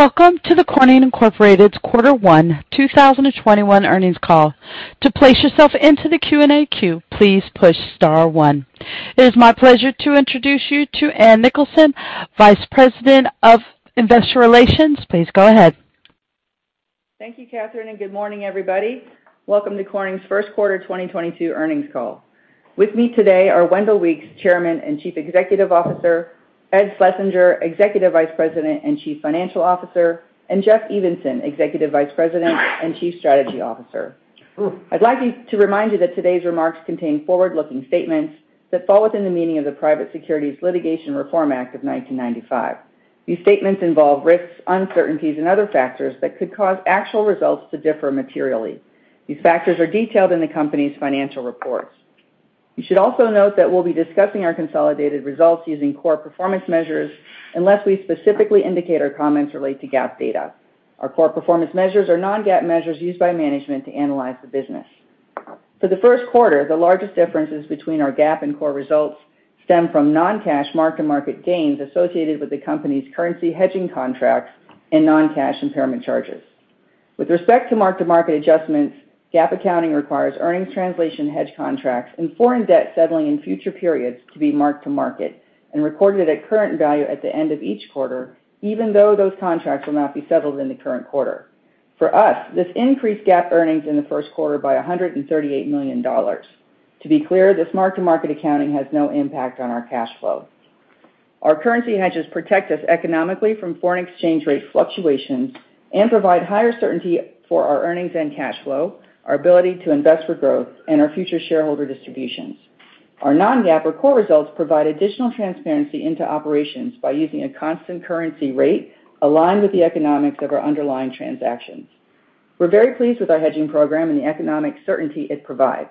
It is my pleasure to introduce you to Ann Nicholson, Vice President of Investor Relations. Please go ahead. Thank you, Catherine, and good morning, everybody. Welcome to Corning's first quarter 2022 earnings call. With me today are Wendell Weeks, Chairman and Chief Executive Officer, Ed Schlesinger, Executive Vice President and Chief Financial Officer, and Jeff Evenson, Executive Vice President and Chief Strategy Officer. I'd like to remind you that today's remarks contain forward-looking statements that fall within the meaning of the Private Securities Litigation Reform Act of 1995. These statements involve risks, uncertainties, and other factors that could cause actual results to differ materially. These factors are detailed in the company's financial reports. You should also note that we'll be discussing our consolidated results using core performance measures unless we specifically indicate our comments relate to GAAP data. Our core performance measures are non-GAAP measures used by management to analyze the business. For the first quarter, the largest differences between our GAAP and core results stem from non-cash mark-to-market gains associated with the company's currency hedging contracts and non-cash impairment charges. With respect to mark-to-market adjustments, GAAP accounting requires earnings translation hedge contracts and foreign debt settling in future periods to be marked to market and recorded at current value at the end of each quarter, even though those contracts will not be settled in the current quarter. For us, this increased GAAP earnings in the first quarter by $138 million. To be clear, this mark-to-market accounting has no impact on our cash flow. Our currency hedges protect us economically from foreign exchange rate fluctuations and provide higher certainty for our earnings and cash flow, our ability to invest for growth, and our future shareholder distributions. Our non-GAAP or core results provide additional transparency into operations by using a constant currency rate aligned with the economics of our underlying transactions. We're very pleased with our hedging program and the economic certainty it provides.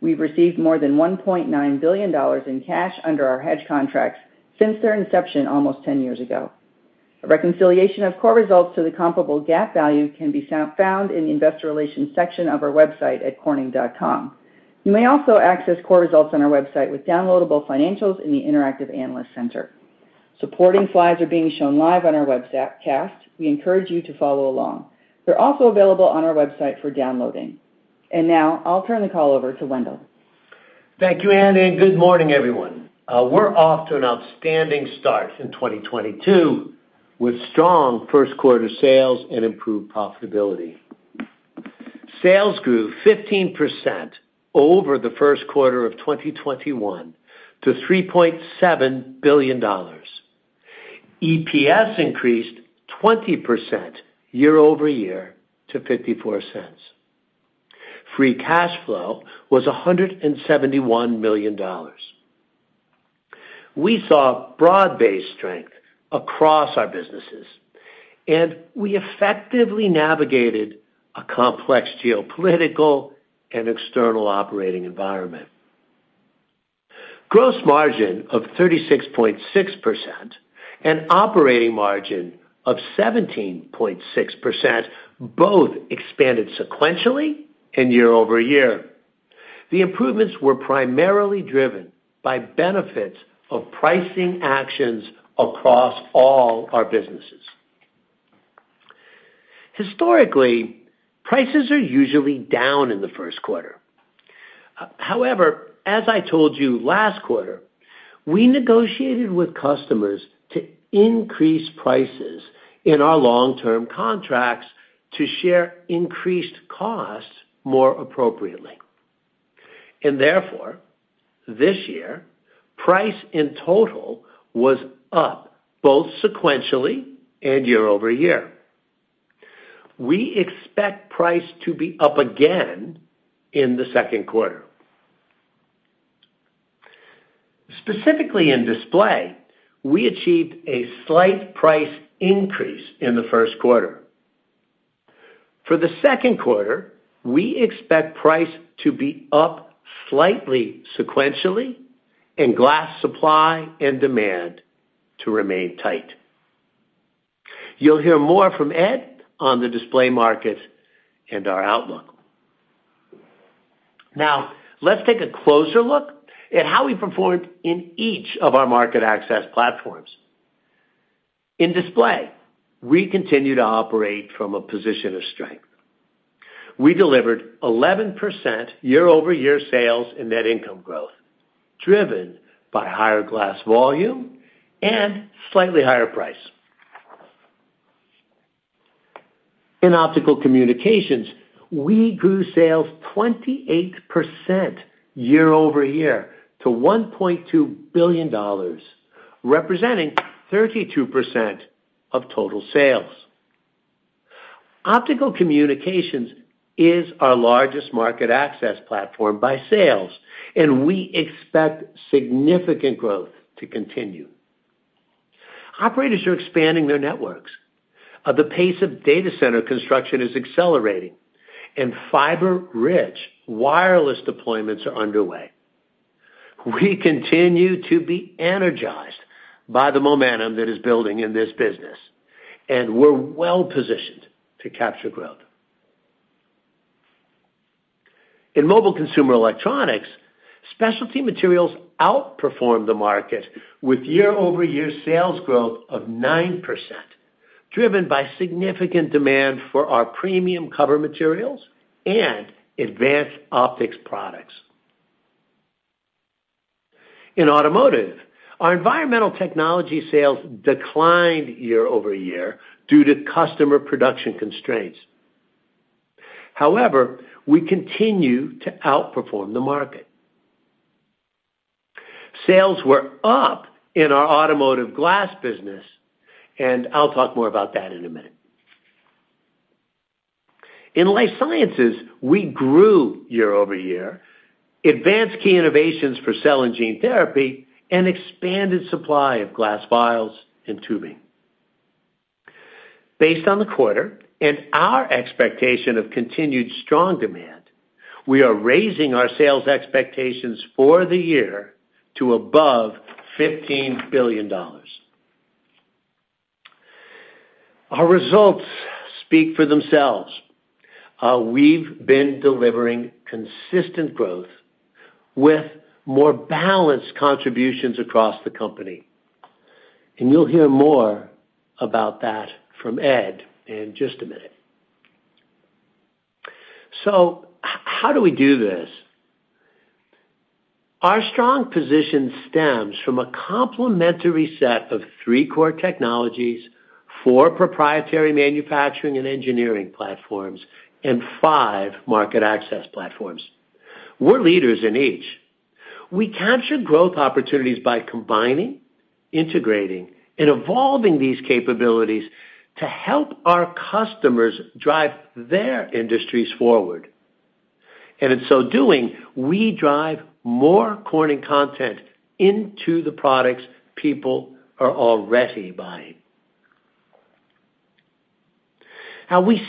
We've received more than $1.9 billion in cash under our hedge contracts since their inception almost 10 years ago. A reconciliation of core results to the comparable GAAP value can be found in the investor relations section of our website at corning.com. You may also access core results on our website with downloadable financials in the Interactive Analyst Center. Supporting slides are being shown live on our webcast. We encourage you to follow along. They're also available on our website for downloading. Now I'll turn the call over to Wendell. Thank you, Ann, and good morning, everyone. We're off to an outstanding start in 2022 with strong first quarter sales and improved profitability. Sales grew 15% over the first quarter of 2021 to $3.7 billion. EPS increased 20% year-over-year to $0.54. Free cash flow was $171 million. We saw broad-based strength across our businesses, and we effectively navigated a complex geopolitical and external operating environment. Gross margin of 36.6% and operating margin of 17.6% both expanded sequentially and year-over-year. The improvements were primarily driven by benefits of pricing actions across all our businesses. Historically, prices are usually down in the first quarter. However, as I told you last quarter, we negotiated with customers to increase prices in our long-term contracts to share increased costs more appropriately. Therefore, this year, price in total was up both sequentially and year-over-year. We expect price to be up again in the second quarter. Specifically in Display, we achieved a slight price increase in the first quarter. For the second quarter, we expect price to be up slightly sequentially and glass supply and demand to remain tight. You'll hear more from Ed on the display market and our outlook. Now, let's take a closer look at how we performed in each of our market access platforms. In Display, we continue to operate from a position of strength. We delivered 11% year-over-year sales and net income growth, driven by higher glass volume and slightly higher price. In Optical Communications, we grew sales 28% year-over-year to $1.2 billion, representing 32% of total sales. Optical Communications is our largest market access platform by sales, and we expect significant growth to continue. Operators are expanding their networks, the pace of data center construction is accelerating, and fiber-rich wireless deployments are underway. We continue to be energized by the momentum that is building in this business, and we're well-positioned to capture growth. In Mobile Consumer Electronics, Specialty Materials outperformed the market with year-over-year sales growth of 9%, driven by significant demand for our premium cover materials and advanced optics products. In automotive, our Environmental Technologies sales declined year-over-year due to customer production constraints. However, we continue to outperform the market. Sales were up in our Automotive Glass business, and I'll talk more about that in a minute. In Life Sciences, we grew year-over-year, advanced key innovations for cell and gene therapy, and expanded supply of glass vials and tubing. Based on the quarter and our expectation of continued strong demand, we are raising our sales expectations for the year to above $15 billion. Our results speak for themselves. We've been delivering consistent growth with more balanced contributions across the company, and you'll hear more about that from Ed in just a minute. How do we do this? Our strong position stems from a complementary set of three core technologies, four proprietary manufacturing and engineering platforms, and five market access platforms. We're leaders in each. We capture growth opportunities by combining, integrating, and evolving these capabilities to help our customers drive their industries forward. In so doing, we drive more Corning content into the products people are already buying. Now, we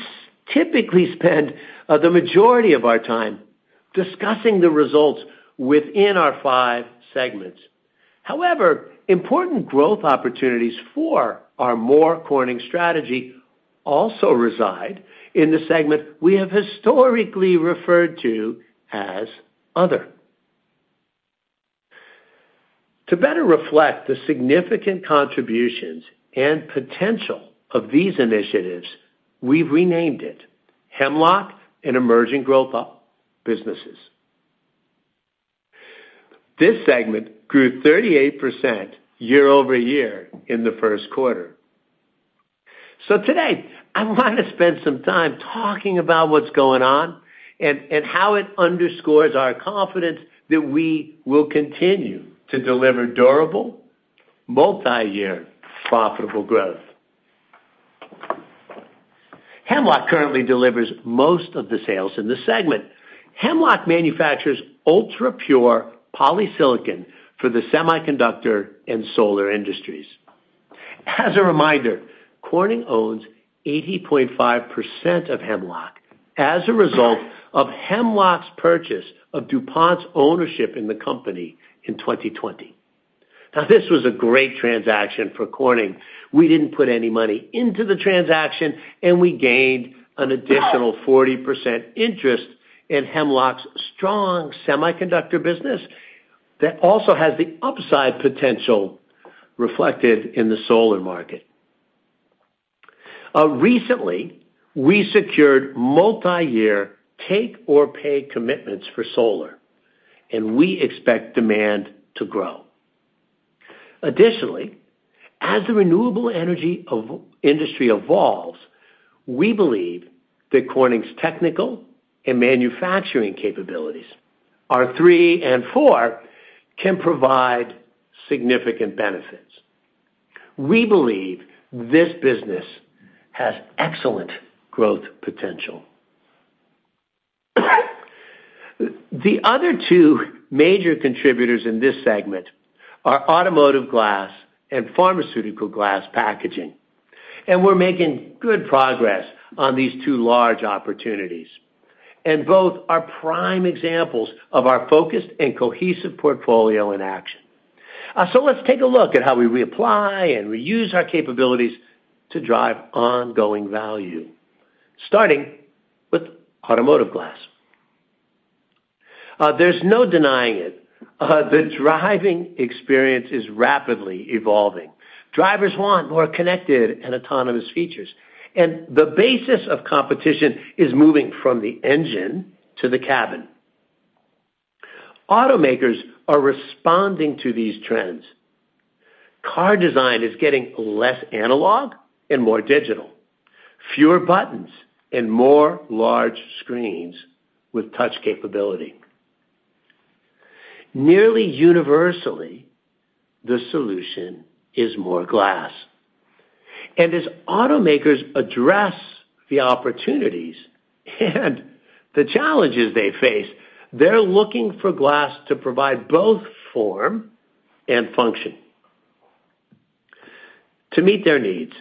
typically spend the majority of our time discussing the results within our five segments. However, important growth opportunities for our More Corning strategy also reside in the segment we have historically referred to as other. To better reflect the significant contributions and potential of these initiatives, we've renamed it Hemlock and Emerging Growth Businesses. This segment grew 38% year-over-year in the first quarter. Today, I want to spend some time talking about what's going on and how it underscores our confidence that we will continue to deliver durable, multi-year profitable growth. Hemlock currently delivers most of the sales in the segment. Hemlock manufactures ultrapure polysilicon for the semiconductor and solar industries. As a reminder, Corning owns 80.5% of Hemlock as a result of Hemlock's purchase of DuPont's ownership in the company in 2020. Now, this was a great transaction for Corning. We didn't put any money into the transaction, and we gained an additional 40% interest in Hemlock's strong semiconductor business that also has the upside potential reflected in the solar market. Recently, we secured multi-year take-or-pay commitments for solar, and we expect demand to grow. Additionally, as the renewable energy industry evolves, we believe that Corning's technical and manufacturing capabilities, our three and four, can provide significant benefits. We believe this business has excellent growth potential. The other two major contributors in this segment are automotive glass and pharmaceutical glass packaging, and we're making good progress on these two large opportunities. Both are prime examples of our focused and cohesive portfolio in action. Let's take a look at how we reapply and reuse our capabilities to drive ongoing value, starting with automotive glass. There's no denying it, the driving experience is rapidly evolving. Drivers want more connected and autonomous features, and the basis of competition is moving from the engine to the cabin. Automakers are responding to these trends. Car design is getting less analog and more digital, fewer buttons and more large screens with touch capability. Nearly universally, the solution is more glass. As automakers address the opportunities and the challenges they face, they're looking for glass to provide both form and function. To meet their needs,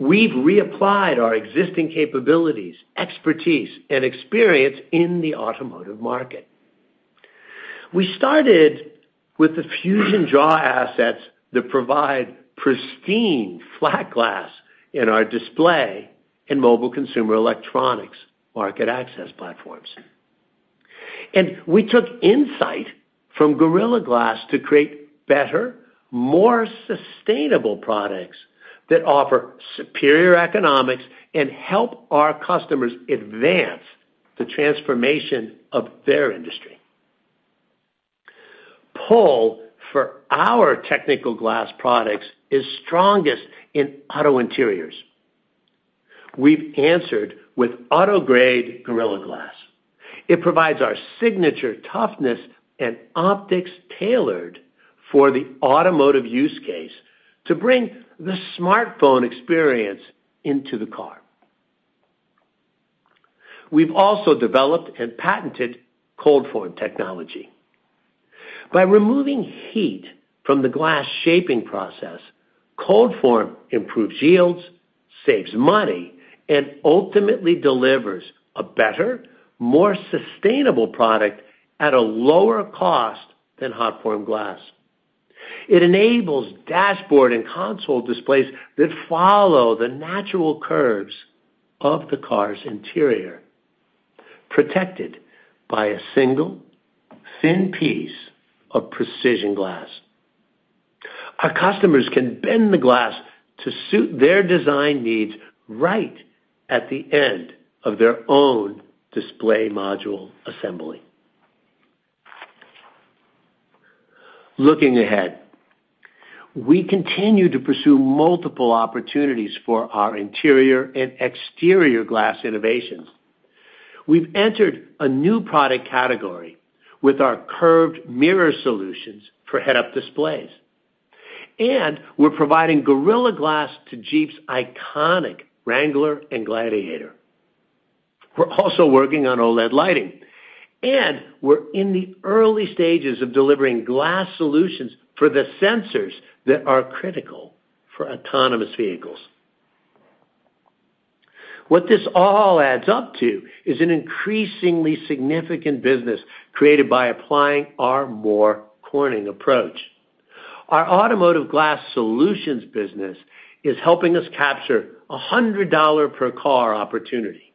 we've reapplied our existing capabilities, expertise, and experience in the automotive market. We started with the fusion draw assets that provide pristine flat glass in our Display and Mobile Consumer Electronics market platforms. We took insight from Gorilla Glass to create better, more sustainable products that offer superior economics and help our customers advance the transformation of their industry. Pull for our technical glass products is strongest in auto interiors. We've answered with auto-grade Gorilla Glass. It provides our signature toughness and optics tailored for the automotive use case to bring the smartphone experience into the car. We've also developed and patented ColdForm technology. By removing heat from the glass shaping process, ColdForm improves yields, saves money, and ultimately delivers a better, more sustainable product at a lower cost than hot form glass. It enables dashboard and console displays that follow the natural curves of the car's interior, protected by a single thin piece of precision glass. Our customers can bend the glass to suit their design needs right at the end of their own display module assembly. Looking ahead, we continue to pursue multiple opportunities for our interior and exterior glass innovations. We've entered a new product category with our curved mirror solutions for Head-Up Displays, and we're providing Gorilla Glass to Jeep's iconic Wrangler and Gladiator. We're also working on OLED lighting, and we're in the early stages of delivering glass solutions for the sensors that are critical for autonomous vehicles. What this all adds up to is an increasingly significant business created by applying our core Corning approach. Our Automotive Glass Solutions business is helping us capture a $100 per car opportunity.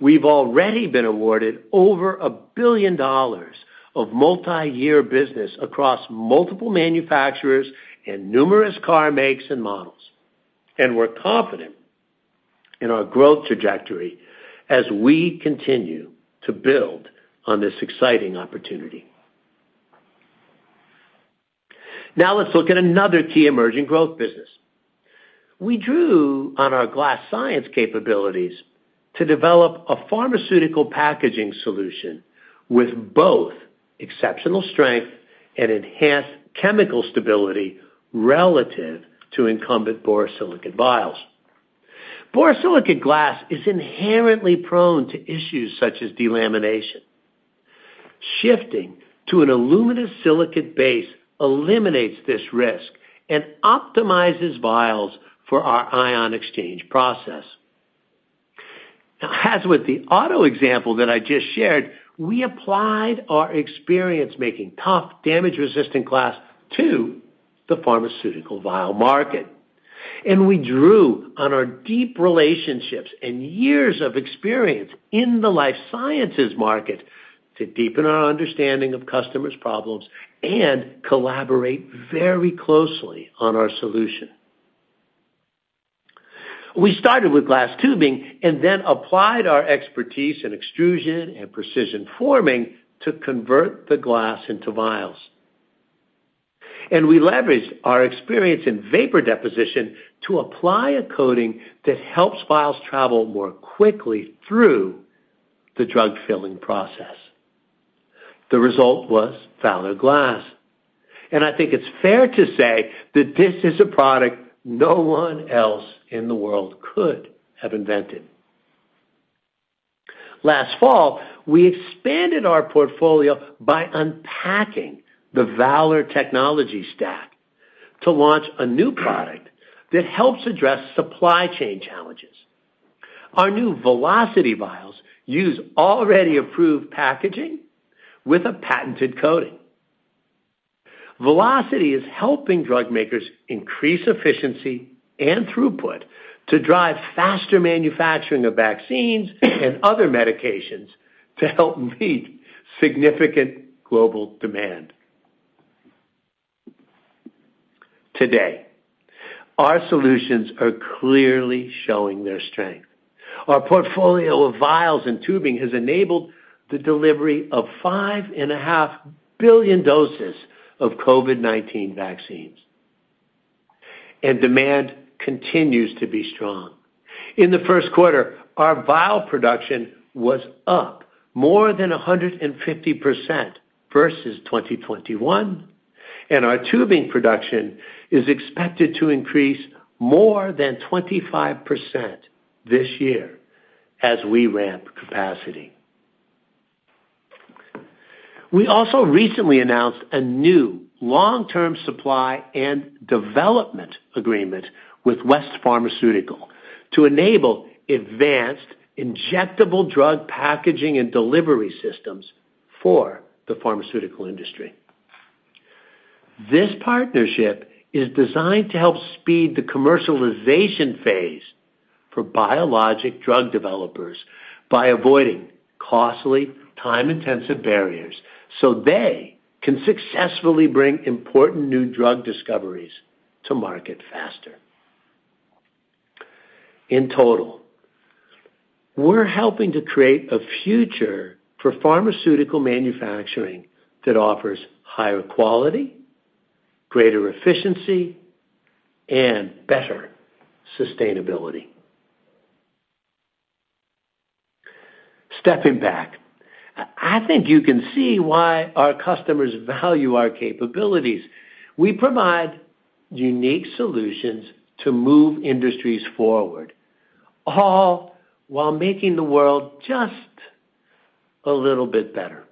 We've already been awarded over $1 billion of multiyear business across multiple manufacturers and numerous car makes and models, and we're confident in our growth trajectory as we continue to build on this exciting opportunity. Now, let's look at another key emerging growth business. We drew on our glass science capabilities to develop a pharmaceutical packaging solution with both exceptional strength and enhanced chemical stability relative to incumbent borosilicate vials. Borosilicate glass is inherently prone to issues such as delamination. Shifting to an aluminosilicate base eliminates this risk and optimizes vials for our ion exchange process. As with the auto example that I just shared, we applied our experience making tough damage-resistant glass to the pharmaceutical vial market, and we drew on our deep relationships and years of experience in the life sciences market to deepen our understanding of customers' problems and collaborate very closely on our solution. We started with glass tubing and then applied our expertise in extrusion and precision forming to convert the glass into vials. We leveraged our experience in vapor deposition to apply a coating that helps vials travel more quickly through the drug-filling process. The result was Valor Glass, and I think it's fair to say that this is a product no one else in the world could have invented. Last fall, we expanded our portfolio by unpacking the Valor technology stack to launch a new product that helps address supply chain challenges. Our new Velocity vials use already approved packaging with a patented coating. Velocity is helping drug makers increase efficiency and throughput to drive faster manufacturing of vaccines and other medications to help meet significant global demand. Today, our solutions are clearly showing their strength. Our portfolio of vials and tubing has enabled the delivery of 5.5 billion doses of COVID-19 vaccines, and demand continues to be strong. In the first quarter, our vial production was up more than 150% versus 2021, and our tubing production is expected to increase more than 25% this year as we ramp capacity. We also recently announced a new long-term supply and development agreement with West Pharmaceutical Services to enable advanced injectable drug packaging and delivery systems for the pharmaceutical industry. This partnership is designed to help speed the commercialization phase for biologic drug developers by avoiding costly, time-intensive barriers, so they can successfully bring important new drug discoveries to market faster. In total, we're helping to create a future for pharmaceutical manufacturing that offers higher quality, greater efficiency, and better sustainability. Stepping back, I think you can see why our customers value our capabilities. We provide unique solutions to move industries forward, all while making the world just a little bit better.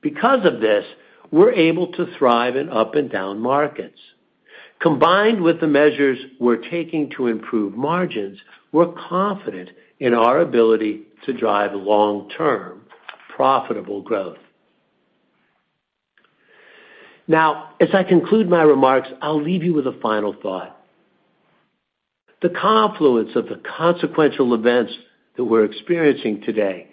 Because of this, we're able to thrive in up and down markets. Combined with the measures we're taking to improve margins, we're confident in our ability to drive long-term profitable growth. Now, as I conclude my remarks, I'll leave you with a final thought. The confluence of the consequential events that we're experiencing today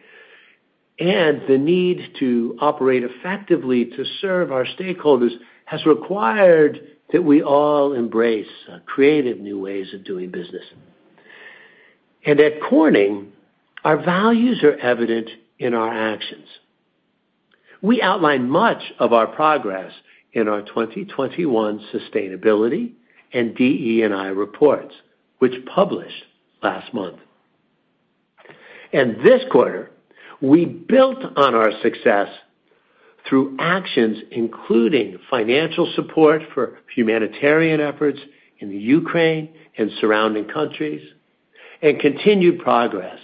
and the need to operate effectively to serve our stakeholders has required that we all embrace creative new ways of doing business. At Corning, our values are evident in our actions. We outline much of our progress in our 2021 sustainability and DE&I reports, which published last month. This quarter, we built on our success through actions including financial support for humanitarian efforts in the Ukraine and surrounding countries and continued progress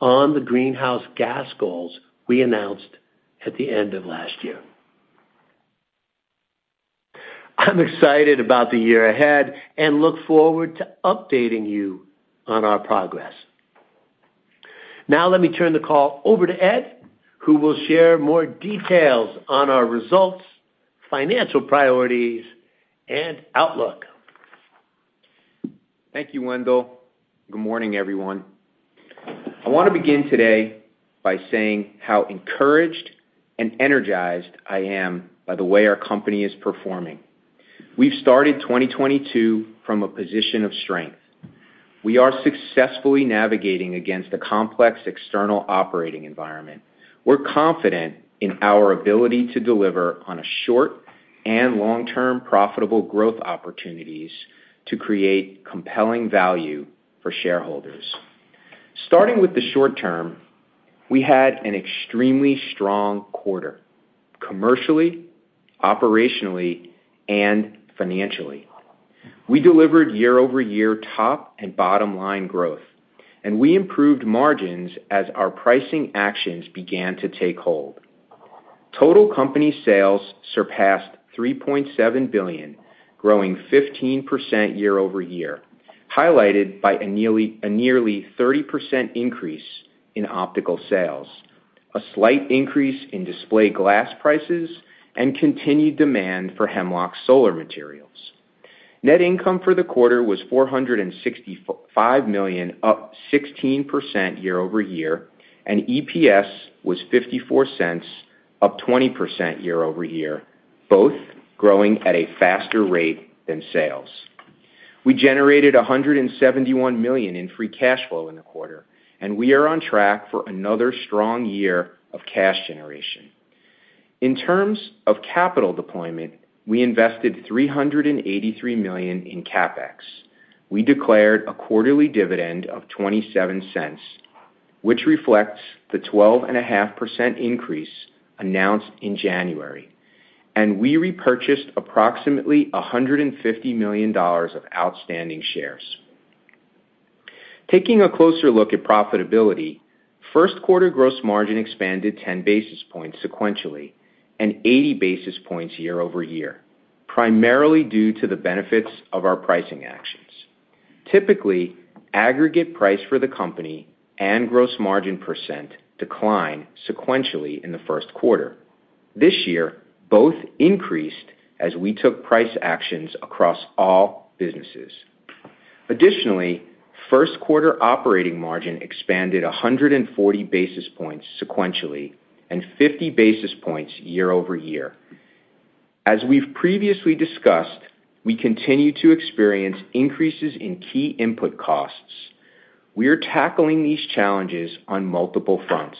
on the greenhouse gas goals we announced at the end of last year. I'm excited about the year ahead and look forward to updating you on our progress. Now let me turn the call over to Ed, who will share more details on our results, financial priorities, and outlook. Thank you, Wendell. Good morning, everyone. I wanna begin today by saying how encouraged and energized I am by the way our company is performing. We've started 2022 from a position of strength. We are successfully navigating against a complex external operating environment. We're confident in our ability to deliver on short- and long-term profitable growth opportunities to create compelling value for shareholders. Starting with the short term, we had an extremely strong quarter commercially, operationally, and financially. We delivered year-over-year top- and bottom-line growth, and we improved margins as our pricing actions began to take hold. Total company sales surpassed $3.7 billion, growing 15% year-over-year, highlighted by a nearly 30% increase in optical sales, a slight increase in display glass prices, and continued demand for Hemlock solar materials. Net income for the quarter was $465 million, up 16% year-over-year, and EPS was $0.54, up 20% year-over-year, both growing at a faster rate than sales. We generated $171 million in free cash flow in the quarter, and we are on track for another strong year of cash generation. In terms of capital deployment, we invested $383 million in CapEx. We declared a quarterly dividend of $0.27, which reflects the 12.5% increase announced in January. We repurchased approximately $150 million of outstanding shares. Taking a closer look at profitability, first quarter gross margin expanded 10 basis points sequentially and 80 basis points year-over-year, primarily due to the benefits of our pricing actions. Typically, aggregate price for the company and gross margin percent decline sequentially in the first quarter. This year, both increased as we took price actions across all businesses. Additionally, first quarter operating margin expanded 140 basis points sequentially and 50 basis points year-over-year. As we've previously discussed, we continue to experience increases in key input costs. We are tackling these challenges on multiple fronts.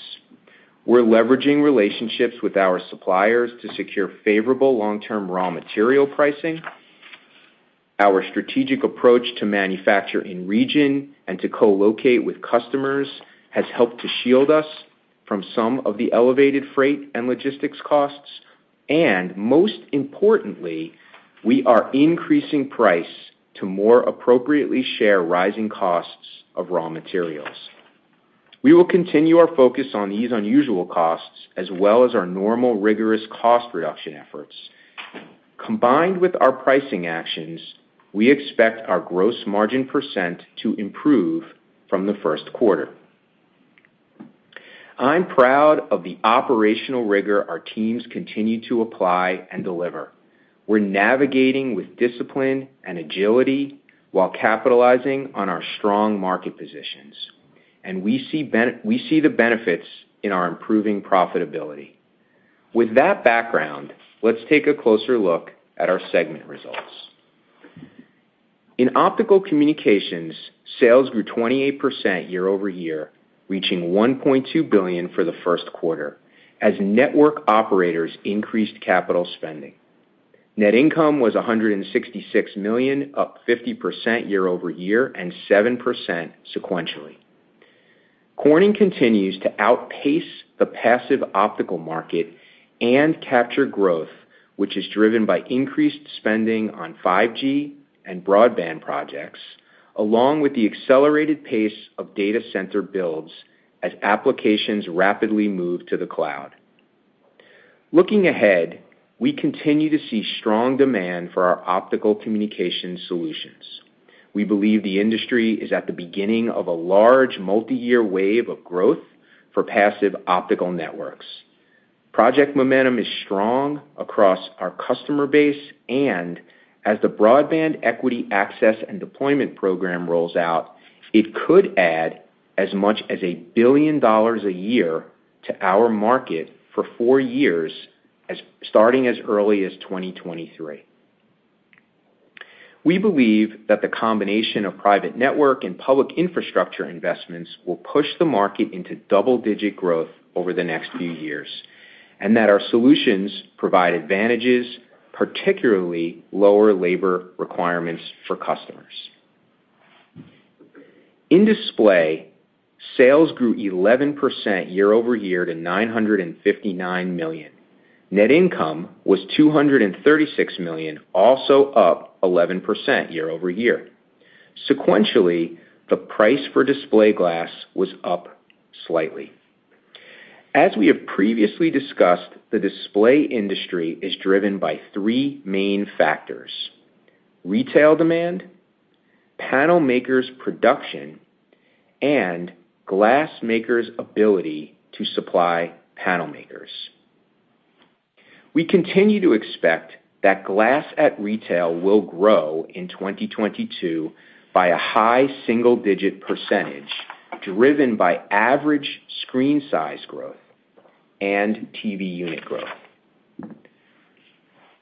We're leveraging relationships with our suppliers to secure favorable long-term raw material pricing. Our strategic approach to manufacture in region and to co-locate with customers has helped to shield us from some of the elevated freight and logistics costs. Most importantly, we are increasing price to more appropriately share rising costs of raw materials. We will continue our focus on these unusual costs as well as our normal rigorous cost reduction efforts. Combined with our pricing actions, we expect our gross margin percent to improve from the first quarter. I'm proud of the operational rigor our teams continue to apply and deliver. We're navigating with discipline and agility while capitalizing on our strong market positions, and we see the benefits in our improving profitability. With that background, let's take a closer look at our segment results. In Optical Communications, sales grew 28% year-over-year, reaching $1.2 billion for the first quarter as network operators increased capital spending. Net income was $166 million, up 50% year-over-year and 7% sequentially. Corning continues to outpace the passive optical market and capture growth, which is driven by increased spending on 5G and broadband projects, along with the accelerated pace of data center builds as applications rapidly move to the cloud. Looking ahead, we continue to see strong demand for our optical communication solutions. We believe the industry is at the beginning of a large multiyear wave of growth for passive optical networks. Project momentum is strong across our customer base, and as the Broadband Equity, Access, and Deployment program rolls out, it could add as much as $1 billion-a-year to our market for four years starting as early as 2023. We believe that the combination of private network and public infrastructure investments will push the market into double-digit growth over the next few years, and that our solutions provide advantages, particularly lower labor requirements for customers. In Display, sales grew 11% year-over-year to $959 million. Net income was $236 million, also up 11% year-over-year. Sequentially, the price for display glass was up slightly. As we have previously discussed, the display industry is driven by three main factors, retail demand, panel makers' production, and glass makers' ability to supply panel makers. We continue to expect that glass at retail will grow in 2022 by a high single-digit percentage, driven by average screen size growth and TV unit growth.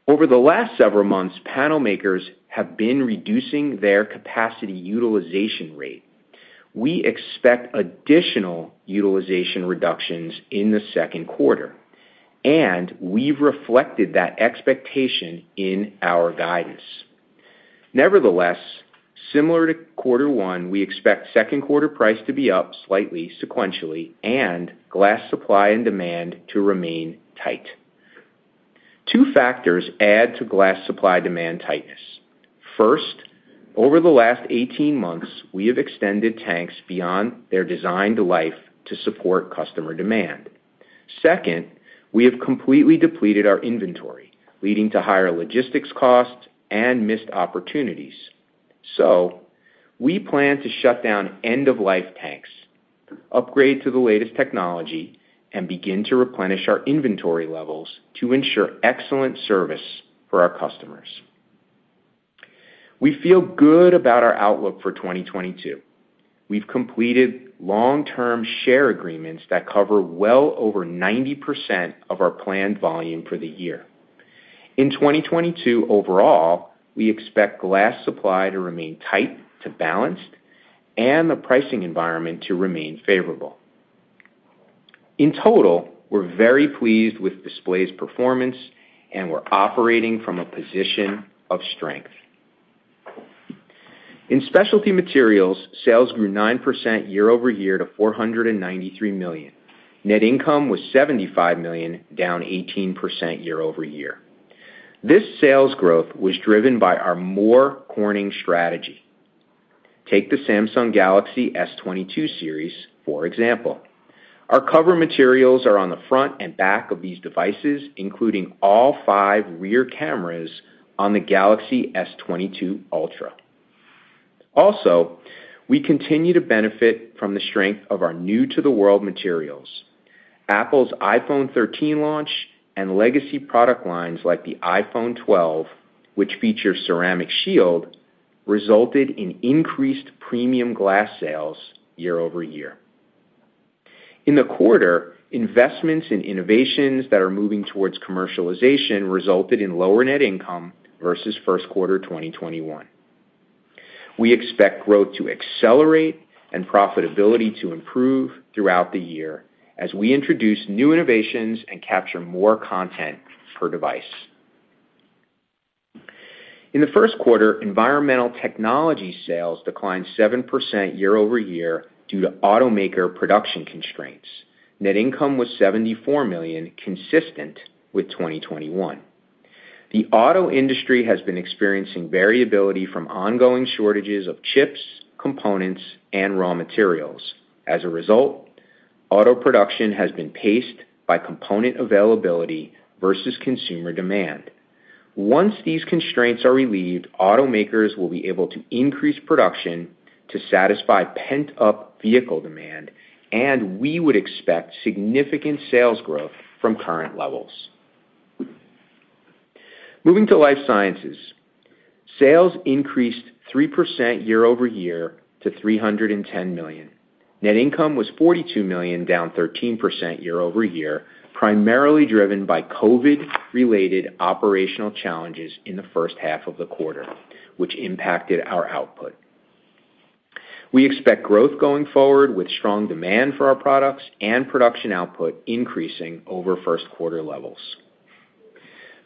Over the last several months, panel makers have been reducing their capacity utilization rate. We expect additional utilization reductions in the second quarter, and we've reflected that expectation in our guidance. Nevertheless, similar to quarter one, we expect second quarter price to be up slightly sequentially and glass supply and demand to remain tight. Two factors add to glass supply demand tightness. First, over the last 18 months, we have extended tanks beyond their designed life to support customer demand. Second, we have completely depleted our inventory, leading to higher logistics costs and missed opportunities. We plan to shut down end-of-life tanks, upgrade to the latest technology, and begin to replenish our inventory levels to ensure excellent service for our customers. We feel good about our outlook for 2022. We've completed long-term supply agreements that cover well over 90% of our planned volume for the year. In 2022 overall, we expect glass supply to remain tight to balanced and the pricing environment to remain favorable. In total, we're very pleased with Display's performance, and we're operating from a position of strength. In Specialty Materials, sales grew 9% year-over-year to $493 million. Net income was $75 million, down 18% year-over-year. This sales growth was driven by our more Corning strategy. Take the Samsung Galaxy S22 series, for example. Our cover materials are on the front and back of these devices, including all five rear cameras on the Galaxy S22 Ultra. Also, we continue to benefit from the strength of our new-to-the-world materials. Apple's iPhone 13 launch and legacy product lines like the iPhone 12, which feature Ceramic Shield, resulted in increased premium glass sales year-over-year. In the quarter, investments in innovations that are moving towards commercialization resulted in lower net income versus first quarter 2021. We expect growth to accelerate and profitability to improve throughout the year as we introduce new innovations and capture more content per device. In the first quarter, Environmental Technologies sales declined 7% year-over-year due to automaker production constraints. Net income was $74 million, consistent with 2021. The auto industry has been experiencing variability from ongoing shortages of chips, components, and raw materials. As a result, auto production has been paced by component availability versus consumer demand. Once these constraints are relieved, automakers will be able to increase production to satisfy pent-up vehicle demand, and we would expect significant sales growth from current levels. Moving to Life Sciences. Sales increased 3% year-over-year to $310 million. Net income was $42 million, down 13% year-over-year, primarily driven by COVID-related operational challenges in the first half of the quarter, which impacted our output. We expect growth going forward with strong demand for our products and production output increasing over first quarter levels.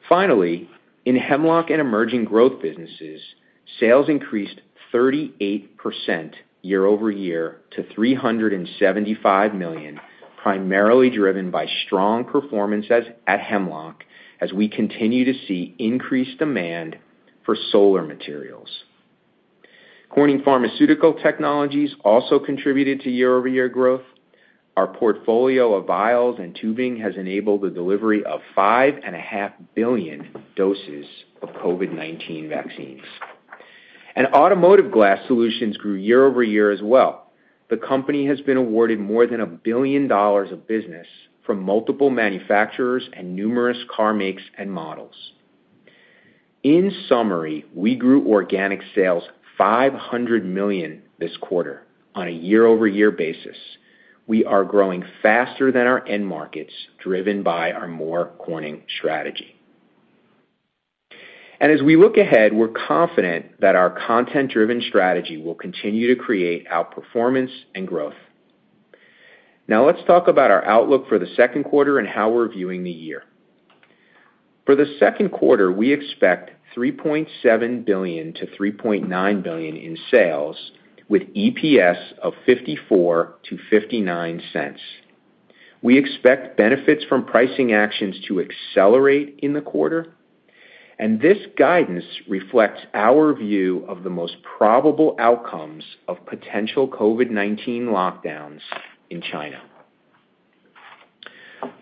Finally, in Hemlock and Emerging Growth Businesses, sales increased 38% year-over-year to $375 million, primarily driven by strong performance at Hemlock as we continue to see increased demand for solar materials. Corning Pharmaceutical Technologies also contributed to year-over-year growth. Our portfolio of vials and tubing has enabled the delivery of 5.5 billion doses of COVID-19 vaccines. Automotive Glass Solutions grew year-over-year as well. The company has been awarded more than $1 billion of business from multiple manufacturers and numerous car makes and models. In summary, we grew organic sales $500 million this quarter on a year-over-year basis. We are growing faster than our end markets, driven by our More Corning strategy. As we look ahead, we're confident that our content-driven strategy will continue to create outperformance and growth. Now let's talk about our outlook for the second quarter and how we're viewing the year. For the second quarter, we expect $3.7 billion-$3.9 billion in sales, with EPS of $0.54-$0.59. We expect benefits from pricing actions to accelerate in the quarter, and this guidance reflects our view of the most probable outcomes of potential COVID-19 lockdowns in China.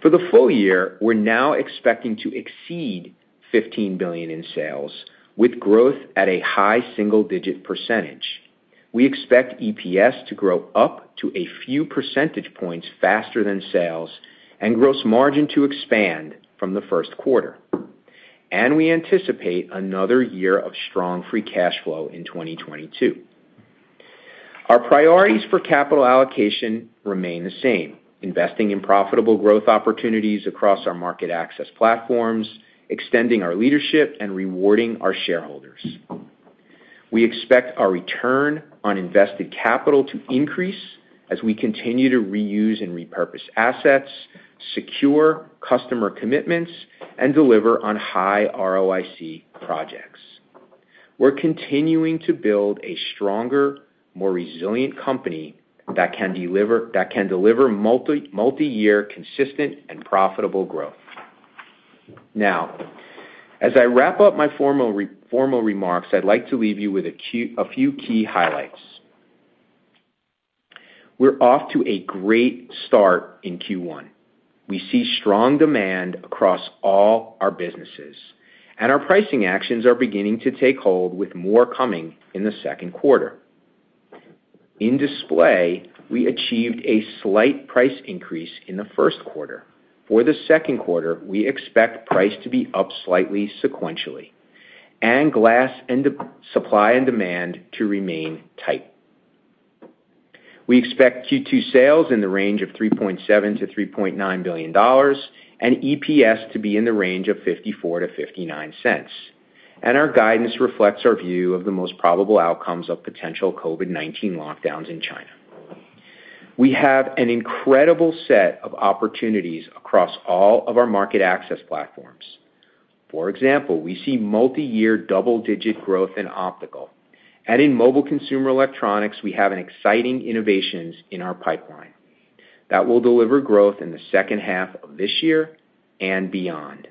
For the full year, we're now expecting to exceed $15 billion in sales, with growth at a high single-digit percentage. We expect EPS to grow up to a few percentage points faster than sales and gross margin to expand from the first quarter. We anticipate another year of strong free cash flow in 2022. Our priorities for capital allocation remain the same, investing in profitable growth opportunities across our market access platforms, extending our leadership, and rewarding our shareholders. We expect our return on invested capital to increase as we continue to reuse and repurpose assets, secure customer commitments, and deliver on high ROIC projects. We're continuing to build a stronger, more resilient company that can deliver multi-year consistent and profitable growth. Now, as I wrap up my formal remarks, I'd like to leave you with a few key highlights. We're off to a great start in Q1. We see strong demand across all our businesses, and our pricing actions are beginning to take hold with more coming in the second quarter. In Display, we achieved a slight price increase in the first quarter. For the second quarter, we expect price to be up slightly sequentially and glass and supply and demand to remain tight. We expect Q2 sales in the range of $3.7 billion-$3.9 billion and EPS to be in the range of $0.54-$0.59. Our guidance reflects our view of the most probable outcomes of potential COVID-19 lockdowns in China. We have an incredible set of opportunities across all of our market access platforms. For example, we see multiyear double-digit growth in optical. In mobile consumer electronics, we have an exciting innovations in our pipeline that will deliver growth in the second half of this year and beyond.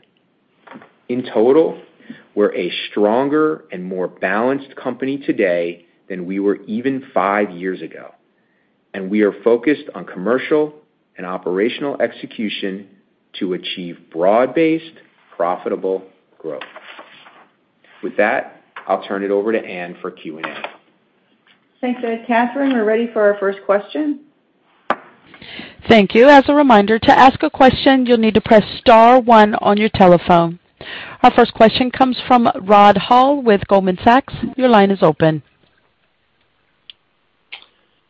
In total, we're a stronger and more balanced company today than we were even five years ago, and we are focused on commercial and operational execution to achieve broad-based, profitable growth. With that, I'll turn it over to Ann for Q&A. Thanks, Ed. Catherine, we're ready for our first question. Thank you. As a reminder, to ask a question, you'll need to press star one on your telephone. Our first question comes from Rod Hall with Goldman Sachs. Your line is open.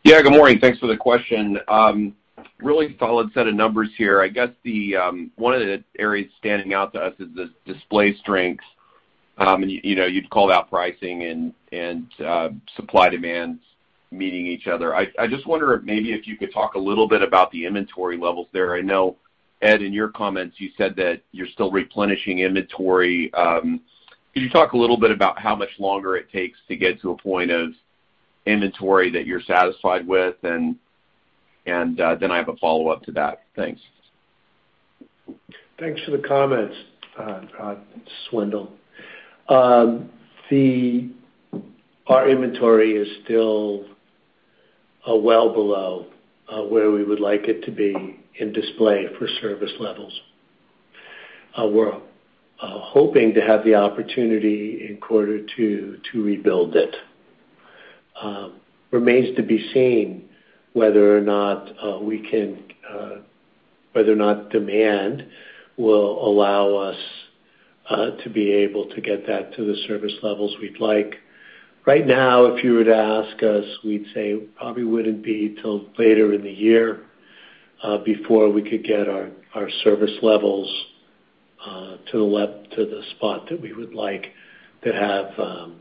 Yeah, good morning. Thanks for the question. Really solid set of numbers here. I guess the one of the areas standing out to us is the Display strengths. You know, you'd called out pricing and supply demands meeting each other. I just wonder if maybe if you could talk a little bit about the inventory levels there. I know, Ed, in your comments, you said that you're still replenishing inventory. Could you talk a little bit about how much longer it takes to get to a point of inventory that you're satisfied with? And I have a follow-up to that. Thanks. Thanks for the comments, Rod, Wendell. Our inventory is still well below where we would like it to be in Display for service levels. We're hoping to have the opportunity in quarter two to rebuild it. Remains to be seen whether or not demand will allow us to be able to get that to the service levels we'd like. Right now, if you were to ask us, we'd say probably wouldn't be till later in the year before we could get our service levels to the spot that we would like to have a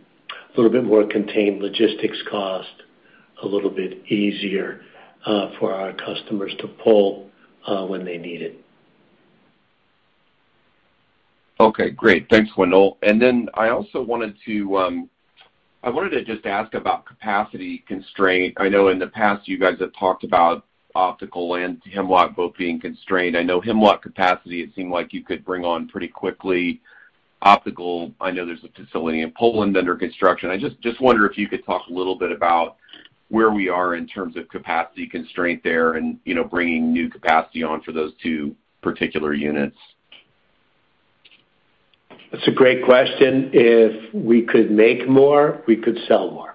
little bit more contained logistics cost, a little bit easier for our customers to pull when they need it. Okay, great. Thanks, Wendell. I wanted to just ask about capacity constraint. I know in the past you guys have talked about Optical and Hemlock both being constrained. I know Hemlock capacity, it seemed like you could bring on pretty quickly. Optical, I know there's a facility in Poland under construction. I just wonder if you could talk a little bit about where we are in terms of capacity constraint there and, you know, bringing new capacity on for those two particular units? That's a great question. If we could make more, we could sell more.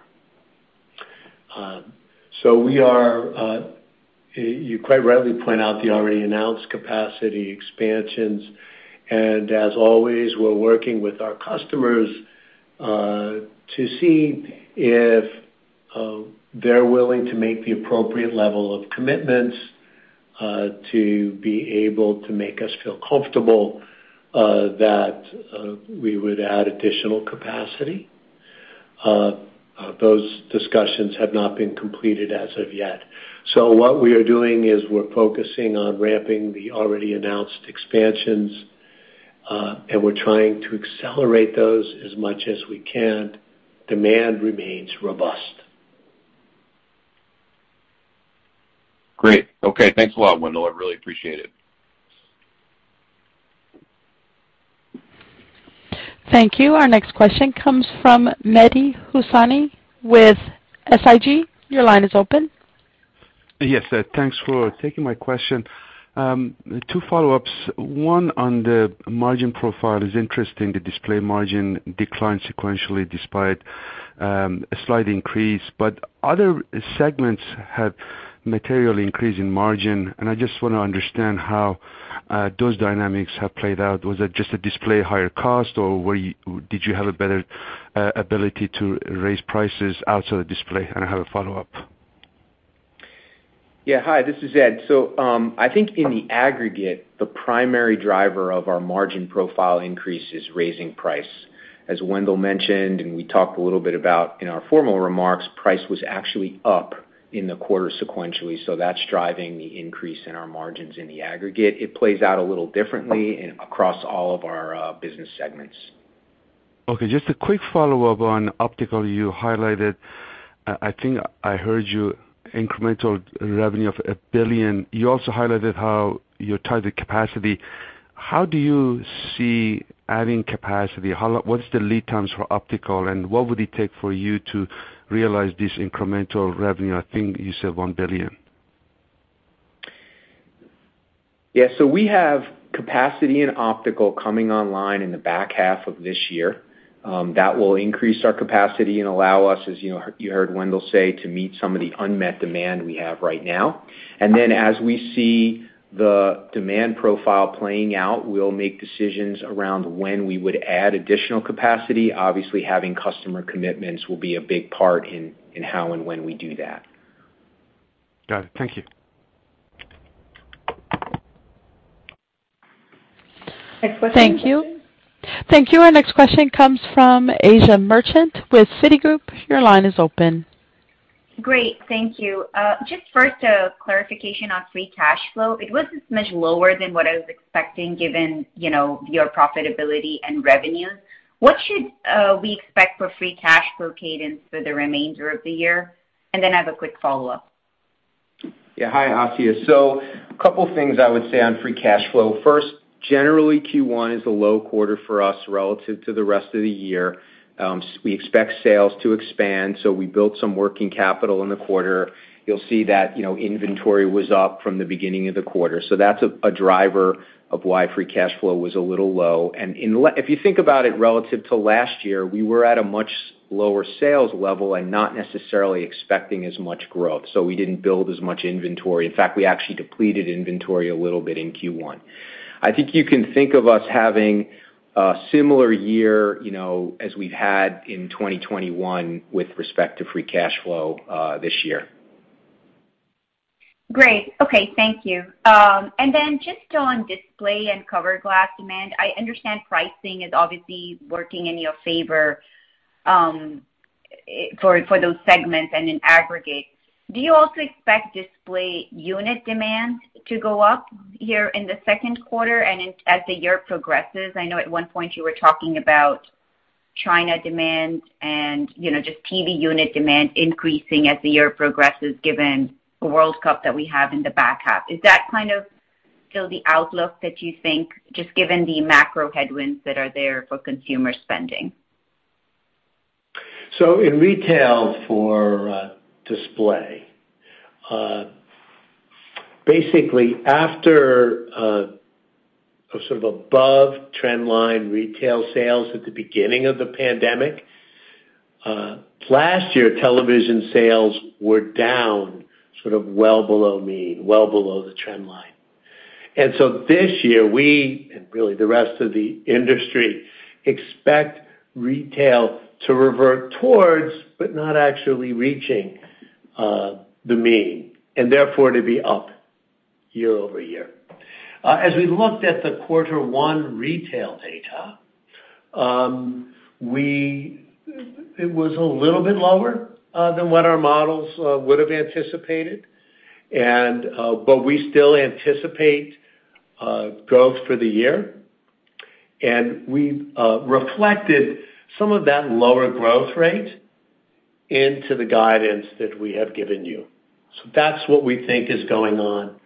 We are, you quite rightly point out the already announced capacity expansions. As always, we're working with our customers to see if they're willing to make the appropriate level of commitments to be able to make us feel comfortable that we would add additional capacity. Those discussions have not been completed as of yet. What we are doing is we're focusing on ramping the already announced expansions, and we're trying to accelerate those as much as we can. Demand remains robust. Great. Okay. Thanks a lot, Wendell. I really appreciate it. Thank you. Our next question comes from Mehdi Hosseini with SIG. Your line is open. Yes. Thanks for taking my question. Two follow-ups. One on the margin profile is interesting. The Display margin declined sequentially despite a slight increase. Other segments have materially increased in margin, and I just wanna understand how those dynamics have played out? Was it just a display higher cost, or did you have a better ability to raise prices outside the Display? I have a follow-up. Yeah. Hi, this is Ed. I think in the aggregate, the primary driver of our margin profile increase is raising price. As Wendell mentioned, and we talked a little bit about in our formal remarks, price was actually up in the quarter sequentially. That's driving the increase in our margins in the aggregate. It plays out a little differently across all of our business segments. Okay. Just a quick follow-up on optical. You highlighted, I think I heard you incremental revenue of $1 billion. You also highlighted how you tied the capacity. How do you see adding capacity? What is the lead times for optical, and what would it take for you to realize this incremental revenue? I think you said $1 billion. Yeah. We have capacity in optical coming online in the back half of this year. That will increase our capacity and allow us, as you know, you heard Wendell say, to meet some of the unmet demand we have right now. As we see the demand profile playing out, we'll make decisions around when we would add additional capacity. Obviously, having customer commitments will be a big part in how and when we do that. Got it. Thank you. Thank you. Thank you. Our next question comes from Asiya Merchant with Citigroup. Your line is open. Great. Thank you. Just first a clarification on free cash flow. It was much lower than what I was expecting given, you know, your profitability and revenue. What should we expect for free cash flow cadence for the remainder of the year? I have a quick follow-up. Hi, Asiya. A couple things I would say on free cash flow. First, generally, Q1 is a low quarter for us relative to the rest of the year. We expect sales to expand, so we built some working capital in the quarter. You'll see that, you know, inventory was up from the beginning of the quarter. That's a driver of why free cash flow was a little low. If you think about it relative to last year, we were at a much lower sales level and not necessarily expecting as much growth, so we didn't build as much inventory. In fact, we actually depleted inventory a little bit in Q1. I think you can think of us having a similar year, you know, as we've had in 2021 with respect to free cash flow this year. Great. Okay. Thank you. Just on Display and cover glass demand, I understand pricing is obviously working in your favor, for those segments and in aggregate. Do you also expect Display unit demand to go up here in the second quarter and as the year progresses? I know at one point you were talking about China demand and, you know, just TV unit demand increasing as the year progresses given the World Cup that we have in the back half. Is that kind of still the outlook that you think, just given the macro headwinds that are there for consumer spending? In retail for Display, basically after a sort of above trend line retail sales at the beginning of the pandemic last year, television sales were down sort of well below mean, well below the trend line. This year, we, and really the rest of the industry, expect retail to revert towards, but not actually reaching, the mean, and therefore to be up year-over-year. As we looked at the quarter one retail data, it was a little bit lower than what our models would have anticipated and but we still anticipate growth for the year. We've reflected some of that lower growth rate into the guidance that we have given you. That's what we think is going on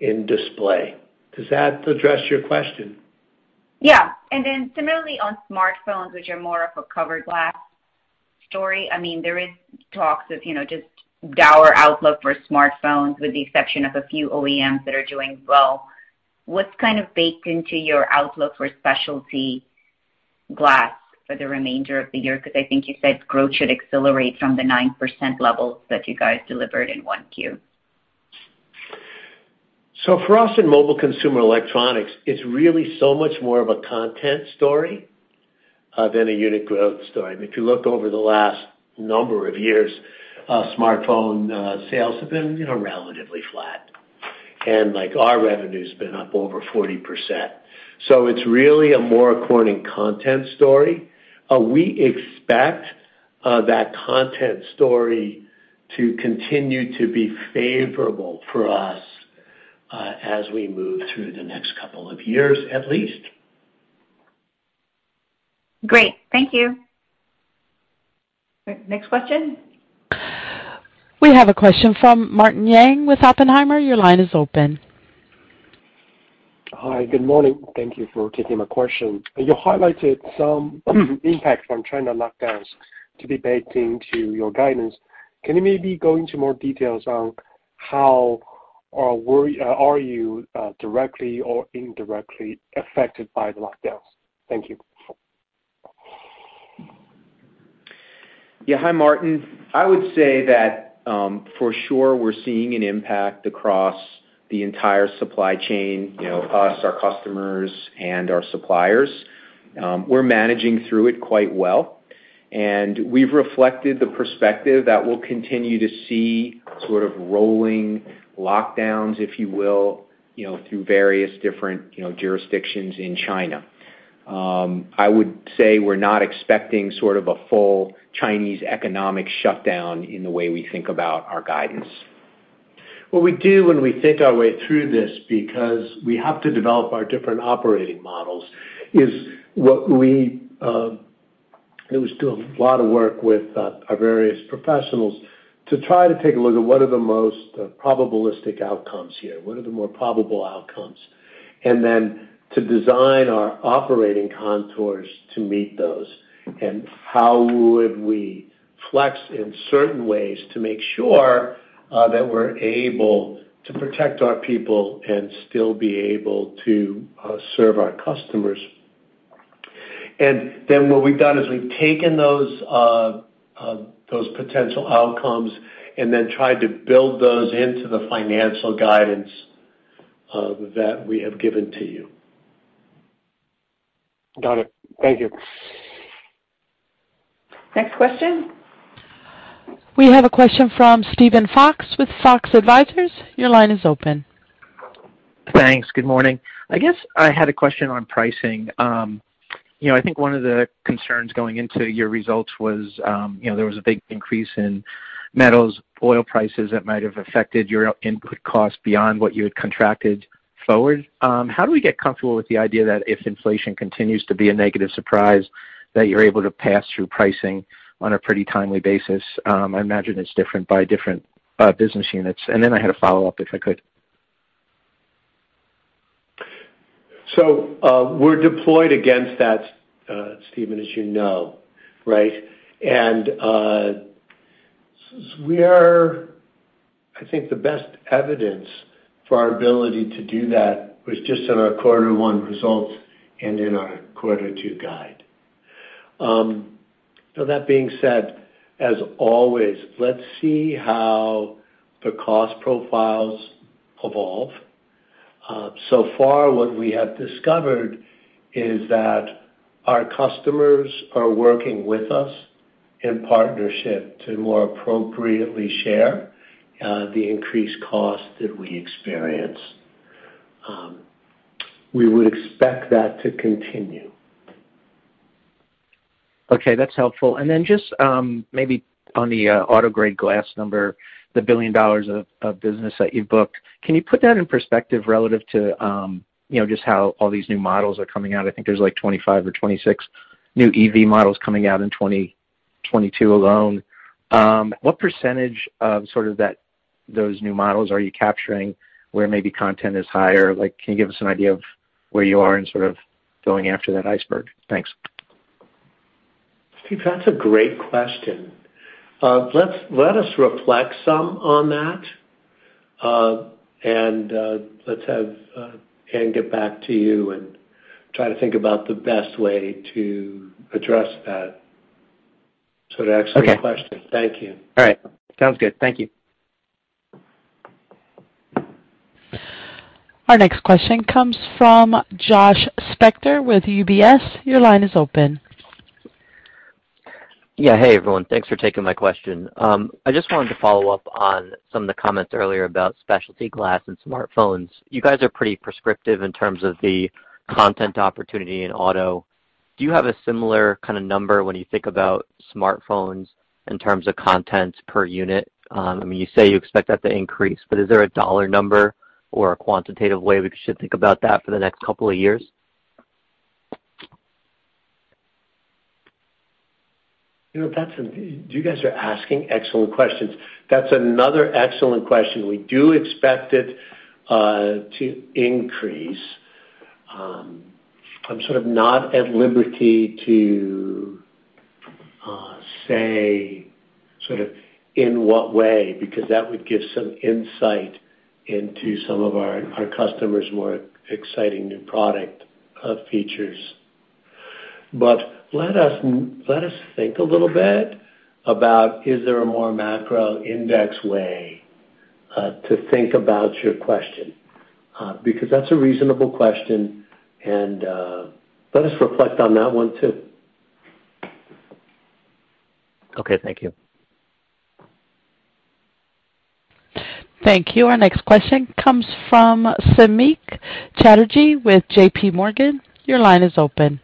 in Display. Does that address your question? Yeah. Similarly on smartphones, which are more of a cover glass story, I mean, there is talks of, you know, just dour outlook for smartphones with the exception of a few OEMs that are doing well. What's kind of baked into your outlook for specialty glass for the remainder of the year? Because I think you said growth should accelerate from the 9% levels that you guys delivered in Q1. For us in Mobile Consumer Electronics, it's really so much more of a content story than a unit growth story. If you look over the last number of years, smartphone sales have been, you know, relatively flat. Like, our revenue's been up over 40%. It's really a more of a content story. We expect that content story to continue to be favorable for us as we move through the next couple of years, at least. Great. Thank you. Next question. We have a question from Martin Yang with Oppenheimer. Your line is open. Hi, good morning. Thank you for taking my question. You highlighted some impact from China lockdowns to be baked into your guidance. Can you maybe go into more details on how or where are you directly or indirectly affected by the lockdowns? Thank you. Yeah. Hi, Martin. I would say that, for sure we're seeing an impact across the entire supply chain, you know, us, our customers, and our suppliers. We're managing through it quite well, and we've reflected the perspective that we'll continue to see sort of rolling lockdowns, if you will, you know, through various different, you know, jurisdictions in China. I would say we're not expecting sort of a full Chinese economic shutdown in the way we think about our guidance. What we do when we think our way through this, because we have to develop our different operating models, is what we are doing a lot of work with our various professionals to try to take a look at what are the most probabilistic outcomes here, what are the more probable outcomes, and then to design our operating contours to meet those. How would we flex in certain ways to make sure that we're able to protect our people and still be able to serve our customers. What we've done is we've taken those potential outcomes and then tried to build those into the financial guidance that we have given to you. Got it. Thank you. Next question. We have a question from Steven Fox with Fox Advisors. Your line is open. Thanks. Good morning. I guess I had a question on pricing. You know, I think one of the concerns going into your results was, you know, there was a big increase in metals, oil prices that might have affected your input cost beyond what you had contracted forward. How do we get comfortable with the idea that if inflation continues to be a negative surprise, that you're able to pass through pricing on a pretty timely basis? I imagine it's different by business units. I had a follow-up, if I could. We're deployed against that, Steven, as you know, right? I think the best evidence for our ability to do that was just in our quarter one results and in our quarter two guide. That being said, as always, let's see how the cost profiles evolve. So far what we have discovered is that our customers are working with us in partnership to more appropriately share the increased cost that we experience. We would expect that to continue. Okay, that's helpful. Just, maybe on the autograde glass number, $1 billion of business that you've booked. Can you put that in perspective relative to, you know, just how all these new models are coming out? I think there's like 25 or 26 new EV models coming out in 2022 alone. What percentage of sort of that, those new models are you capturing where maybe content is higher? Like, can you give us an idea of where you are in sort of going after that iceberg? Thanks. Steven, that's a great question. Let us reflect some on that, and let's have Ann get back to you and try to think about the best way to address that. An excellent question. Okay. Thank you. All right. Sounds good. Thank you. Our next question comes from Josh Spector with UBS. Your line is open. Yeah. Hey, everyone. Thanks for taking my question. I just wanted to follow up on some of the comments earlier about specialty glass and smartphones. You guys are pretty prescriptive in terms of the content opportunity in auto. Do you have a similar kind of number when you think about smartphones in terms of content per unit? I mean, you say you expect that to increase, but is there a dollar number or a quantitative way we should think about that for the next couple of years? You know, you guys are asking excellent questions. That's another excellent question. We do expect it to increase. I'm sort of not at liberty to say sort of in what way, because that would give some insight into some of our customers' more exciting new product features. Let us think a little bit about is there a more macro index way to think about your question. Because that's a reasonable question, and let us reflect on that one too. Okay, thank you. Thank you. Our next question comes from Samik Chatterjee with JPMorgan. Your line is open.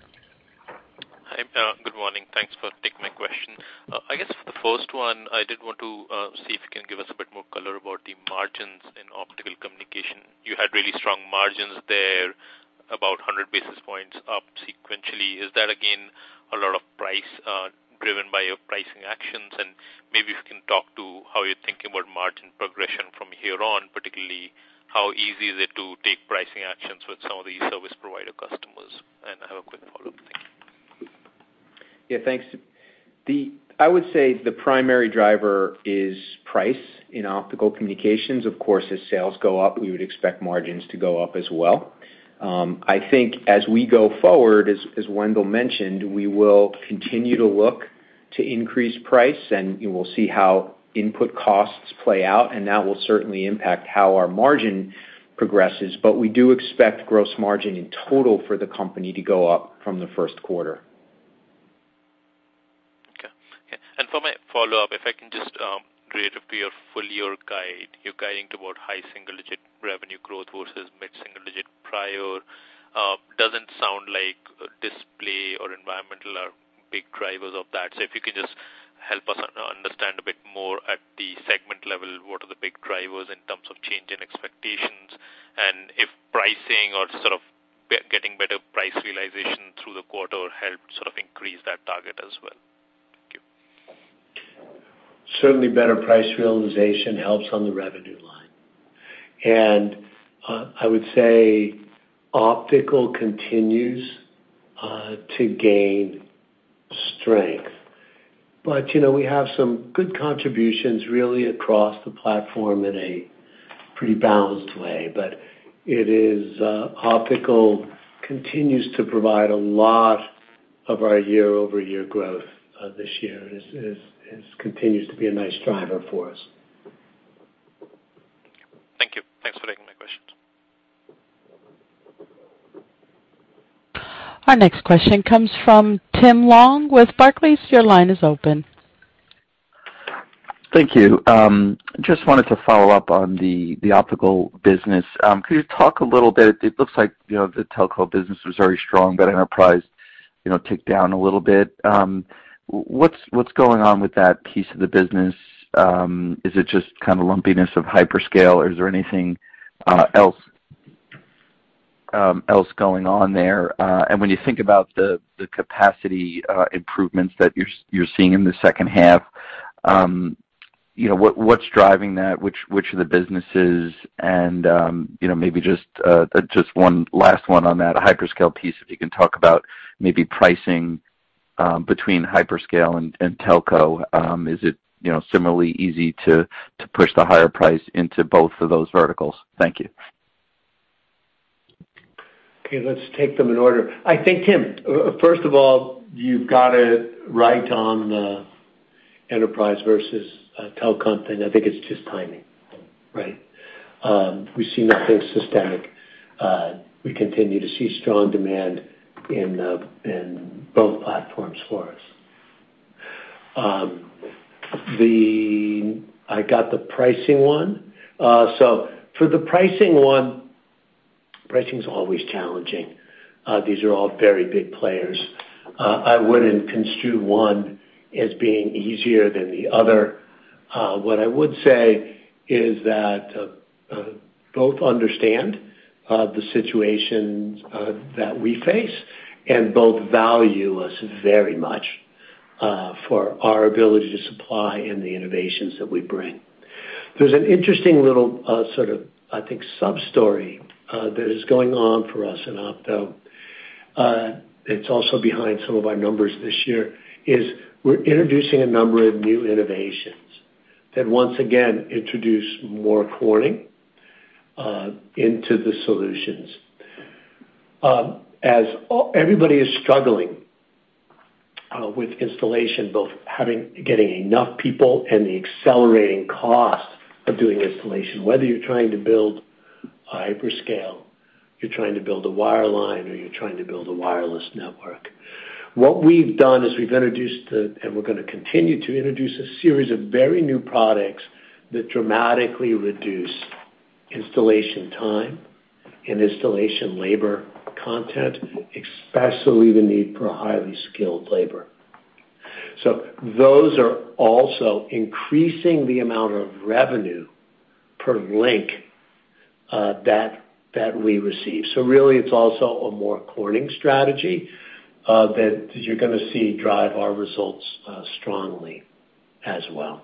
Hi. Good morning. Thanks for taking my question. I guess for the first one, I did want to see if you can give us a bit more color about the margins in Optical Communications. You had really strong margins there, about 100 basis points up sequentially. Is that again, a lot of price driven by your pricing actions? And maybe if you can talk to how you're thinking about margin progression from here on, particularly how easy is it to take pricing actions with some of the service provider customers? And I have a quick follow-up. Thank you. Yeah, thanks. I would say the primary driver is price in Optical Communications. Of course, as sales go up, we would expect margins to go up as well. I think as we go forward, as Wendell mentioned, we will continue to look to increase price, and we will see how input costs play out, and that will certainly impact how our margin progresses. We do expect gross margin in total for the company to go up from the first quarter. For my follow-up, if I can just reiterate fully your guide. You're guiding toward high single-digit revenue growth versus mid-single digit prior. Doesn't sound like Display or Environmental are big drivers of that. If you could just help us understand a bit more at the segment level, what are the big drivers in terms of change in expectations, and if pricing or sort of getting better price realization through the quarter helped sort of increase that target as well. Thank you. Certainly, better price realization helps on the revenue line. I would say optical continues to gain strength. You know, we have some good contributions really across the platform in a pretty balanced way. It is optical continues to provide a lot of our year-over-year growth this year and is continues to be a nice driver for us. Thank you. Thanks for taking my questions. Our next question comes from Tim Long with Barclays. Your line is open. Thank you. Just wanted to follow up on the optical business. Could you talk a little bit, it looks like, you know, the telco business was very strong, but enterprise, you know, ticked down a little bit. What's going on with that piece of the business? Is it just kind of lumpiness of hyperscale, or is there anything else going on there? When you think about the capacity improvements that you're seeing in the second half, you know, what's driving that? Which of the businesses? You know, maybe just one last one on that hyperscale piece, if you can talk about maybe pricing between hyperscale and telco. Is it, you know, similarly easy to push the higher price into both of those verticals? Thank you. Okay, let's take them in order. I think, Tim, first of all, you've got it right on the enterprise versus telco thing. I think it's just timing, right? We see nothing systemic. We continue to see strong demand in both platforms for us. I got the pricing one. For the pricing one, pricing's always challenging. These are all very big players. I wouldn't construe one as being easier than the other. What I would say is that both understand the situation that we face and both value us very much for our ability to supply and the innovations that we bring. There's an interesting little, sort of, I think, substory that is going on for us in opto. It's also behind some of our numbers this year. We're introducing a number of new innovations that once again introduce more Corning into the solutions. As everybody is struggling with installation, both getting enough people and the accelerating cost of doing installation, whether you're trying to build a hyperscale, you're trying to build a wireline, or you're trying to build a wireless network. What we've done is we've introduced and we're gonna continue to introduce a series of very new products that dramatically reduce installation time and installation labor content, especially the need for highly skilled labor. Those are also increasing the amount of revenue per link that we receive. Really, it's also a more Corning strategy that you're gonna see drive our results strongly as well.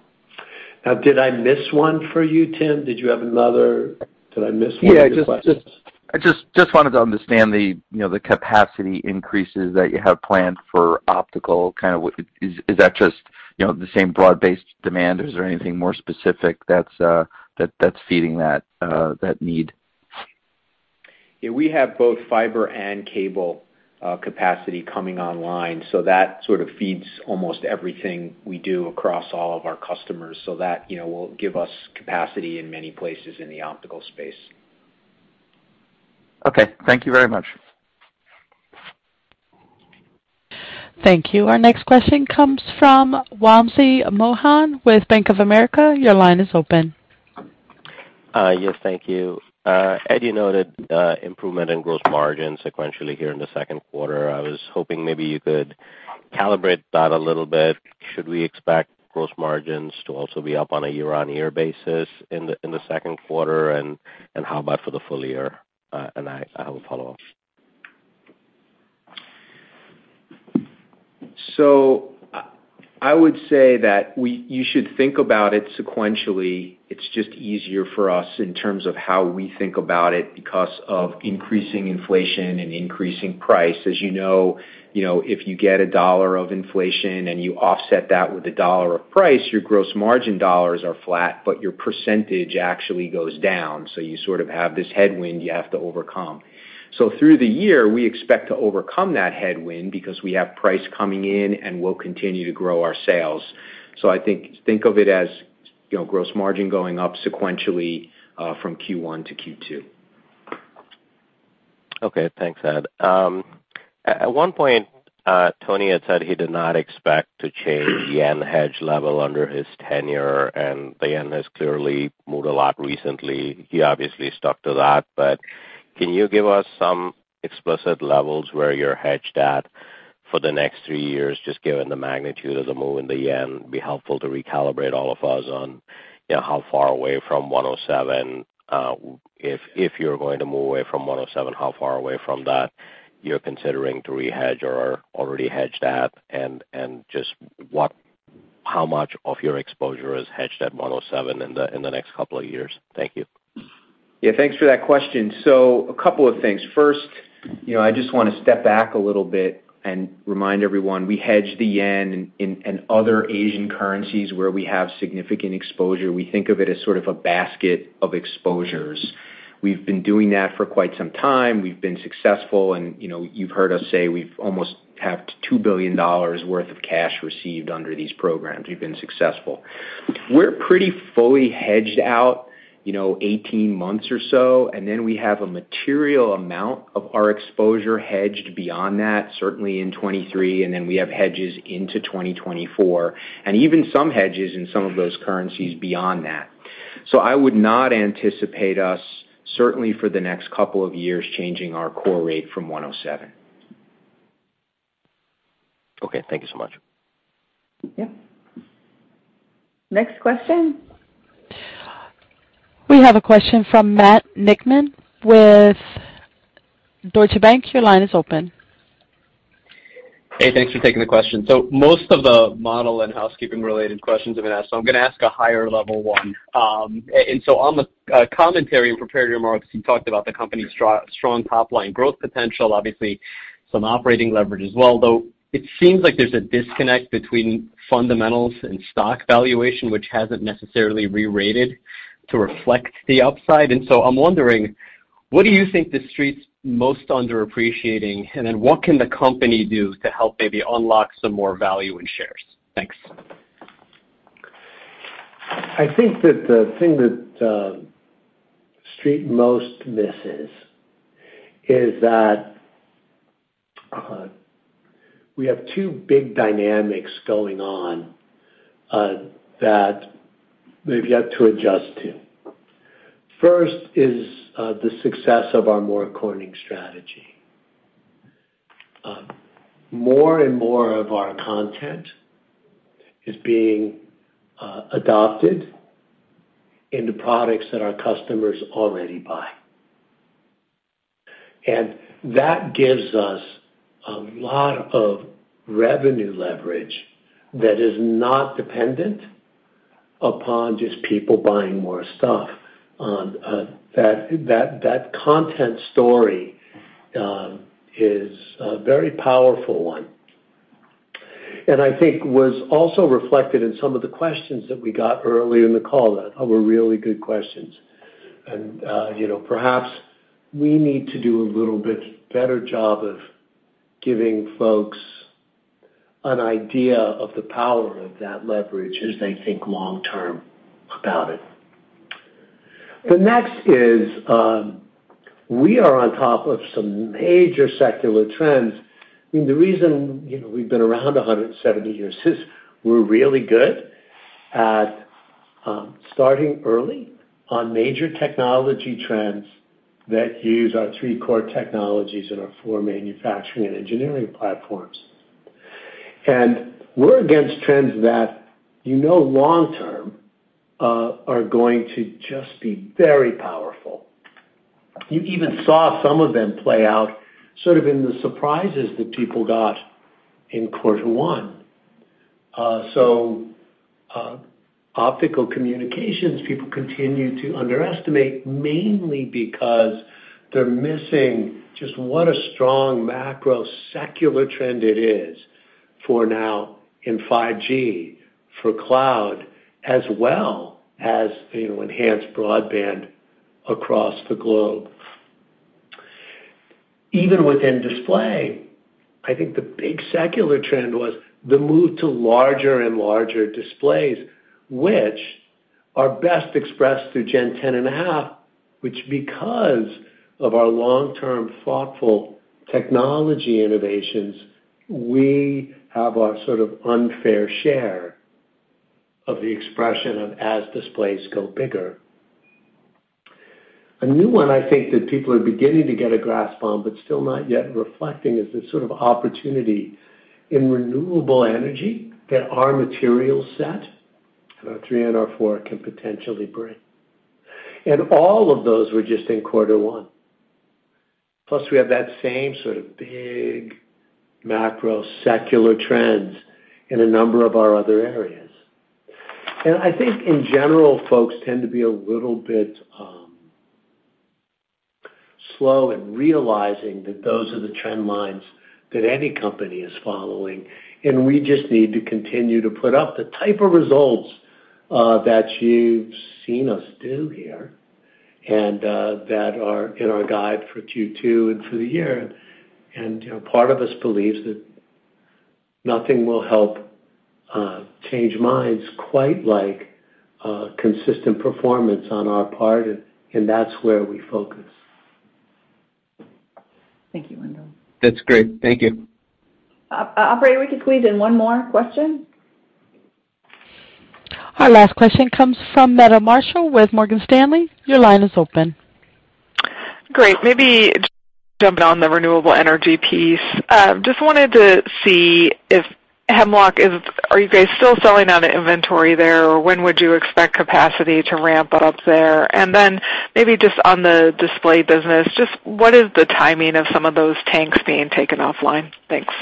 Now, did I miss one for you, Tim? Did you have another? Did I miss one of your questions? Yeah. I just wanted to understand the, you know, the capacity increases that you have planned for optical. Kind of what it is that just, you know, the same broad-based demand? Is there anything more specific that's feeding that need? Yeah, we have both fiber and cable capacity coming online, so that sort of feeds almost everything we do across all of our customers. That, you know, will give us capacity in many places in the optical space. Okay. Thank you very much. Thank you. Our next question comes from Wamsi Mohan with Bank of America. Your line is open. Yes, thank you. Ed, you noted improvement in gross margin sequentially here in the second quarter. I was hoping maybe you could calibrate that a little bit. Should we expect gross margins to also be up on a year-on-year basis in the second quarter? How about for the full year? I have a follow-up. I would say you should think about it sequentially. It's just easier for us in terms of how we think about it 'cause of increasing inflation and increasing price. As you know, you know, if you get $1 of inflation and you offset that with $1 of price, your gross margin dollars are flat, but your percentage actually goes down. You sort of have this headwind you have to overcome. Through the year, we expect to overcome that headwind because we have price coming in, and we'll continue to grow our sales. I think of it as, you know, gross margin going up sequentially, from Q1 to Q2. Okay. Thanks, Ed. At one point, Tony had said he did not expect to change yen hedge level under his tenure, and the yen has clearly moved a lot recently. He obviously stuck to that, but can you give us some explicit levels where you're hedged at for the next three years just given the magnitude of the move in the yen? It'd be helpful to recalibrate all of us on, you know, how far away from 107, if you're going to move away from 107, how far away from that you're considering to rehedge or are already hedged at? And just, how much of your exposure is hedged at 107 in the next couple of years? Thank you. Yeah, thanks for that question. A couple of things. First, you know, I just wanna step back a little bit and remind everyone, we hedge the yen and other Asian currencies where we have significant exposure. We think of it as sort of a basket of exposures. We've been doing that for quite some time. We've been successful and, you know, you've heard us say we've almost have $2 billion worth of cash received under these programs. We've been successful. We're pretty fully hedged out, you know, 18 months or so, and then we have a material amount of our exposure hedged beyond that, certainly in 2023, and then we have hedges into 2024, and even some hedges in some of those currencies beyond that. I would not anticipate us, certainly for the next couple of years, changing our core rate from 107. Okay, thank you so much. Yeah. Next question. We have a question from Matt Niknam with Deutsche Bank. Your line is open. Hey, thanks for taking the question. Most of the model and housekeeping related questions have been asked, so I'm gonna ask a higher level one. On the commentary and prepared remarks, you talked about the company's strong top-line growth potential, obviously some operating leverage as well, though it seems like there's a disconnect between fundamentals and stock valuation, which hasn't necessarily re-rated to reflect the upside. I'm wondering, what do you think the Street's most underappreciating, and then what can the company do to help maybe unlock some more value in shares? Thanks. I think that the thing that Street most misses is that we have two big dynamics going on that they've yet to adjust to. First is the success of our more Corning strategy. More and more of our content is being adopted into products that our customers already buy. That gives us a lot of revenue leverage that is not dependent upon just people buying more stuff. That content story is a very powerful one, and I think was also reflected in some of the questions that we got earlier in the call that were really good questions. You know, perhaps we need to do a little bit better job of giving folks an idea of the power of that leverage as they think long-term about it. The next is, we are on top of some major secular trends. I mean, the reason, you know, we've been around 170 years is we're really good at starting early on major technology trends that use our three core technologies and our four manufacturing and engineering platforms. We're against trends that you know long term are going to just be very powerful. You even saw some of them play out sort of in the surprises that people got in quarter one. Optical Communications, people continue to underestimate mainly because they're missing just what a strong macro secular trend it is for now in 5G, for cloud, as well as, you know, enhanced broadband across the globe. Even within Display, I think the big secular trend was the move to larger and larger displays, which are best expressed through Gen 10.5, which because of our long-term thoughtful technology innovations, we have our sort of unfair share of the expression of as Displays go bigger. A new one I think that people are beginning to get a grasp on, but still not yet reflecting, is this sort of opportunity in renewable energy that our material set and our three and our four can potentially bring. All of those were just in quarter one. Plus, we have that same sort of big macro secular trends in a number of our other areas. I think in general, folks tend to be a little bit slow in realizing that those are the trend lines that any company is following, and we just need to continue to put up the type of results that you've seen us do here and that are in our guide for Q2 and for the year. You know, part of us believes that nothing will help change minds quite like a consistent performance on our part, and that's where we focus. Thank you, Wendell. That's great. Thank you. Operator, we can squeeze in one more question. Our last question comes from Meta Marshall with Morgan Stanley. Your line is open. Great. Maybe jumping on the renewable energy piece. Just wanted to see if you guys are still selling out of inventory there, or when would you expect capacity to ramp up there? Maybe just on the Display business, just what is the timing of some of those tanks being taken offline? Thanks.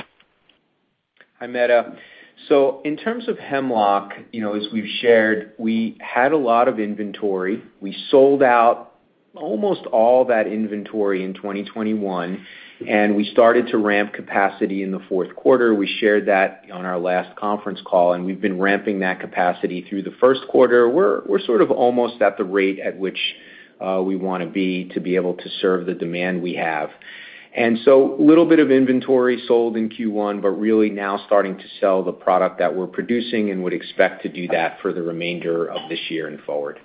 Hi, Meta. In terms of Hemlock, you know, as we've shared, we had a lot of inventory. We sold out almost all that inventory in 2021, and we started to ramp capacity in the fourth quarter. We shared that on our last conference call, and we've been ramping that capacity through the first quarter. We're sort of almost at the rate at which we wanna be to be able to serve the demand we have. Little bit of inventory sold in Q1, but really now starting to sell the product that we're producing and would expect to do that for the remainder of this year and forward.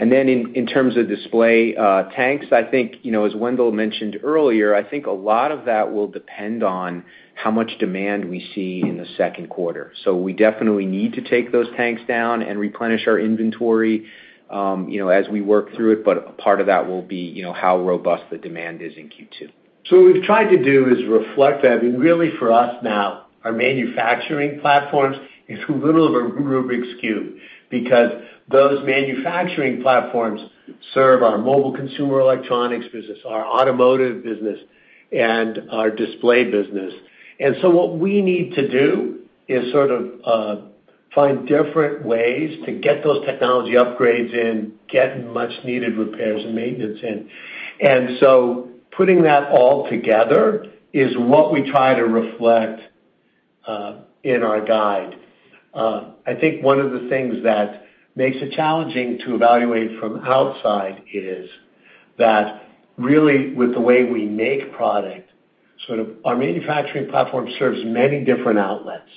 Then in terms of display tanks, I think, you know, as Wendell mentioned earlier, I think a lot of that will depend on how much demand we see in the second quarter. We definitely need to take those tanks down and replenish our inventory, you know, as we work through it, but a part of that will be, you know, how robust the demand is in Q2. What we've tried to do is reflect that. I mean, really for us now, our manufacturing platforms is a little of a Rubik's Cube because those manufacturing platforms serve our mobile consumer electronics business, our automotive business, and our Display business. What we need to do is sort of find different ways to get those technology upgrades in, get much needed repairs and maintenance in. Putting that all together is what we try to reflect in our guide. I think one of the things that makes it challenging to evaluate from outside is that really with the way we make product, sort of our manufacturing platform serves many different outlets.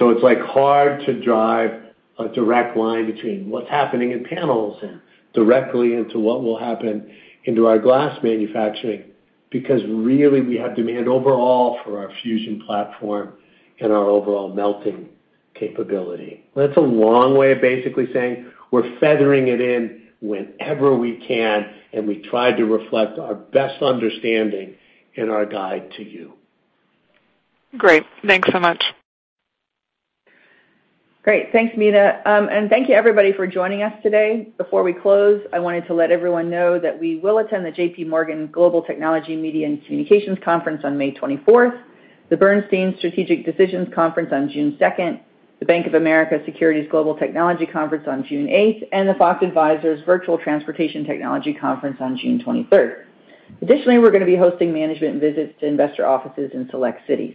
It's like hard to drive a direct line between what's happening in panels and directly into what will happen into our glass manufacturing because really we have demand overall for our fusion platform and our overall melting capability. That's a long way of basically saying we're feathering it in whenever we can, and we try to reflect our best understanding in our guide to you. Great. Thanks so much. Great. Thanks, Meta. Thank you everybody for joining us today. Before we close, I wanted to let everyone know that we will attend the JPMorgan Global Technology, Media and Communications Conference on May 24th, the Bernstein Strategic Decisions Conference on June 2nd, the Bank of America Securities Global Technology Conference on June 8th, and the Fox Advisors Virtual Transportation Technology Conference on June 23rd. Additionally, we're gonna be hosting management visits to investor offices in select cities.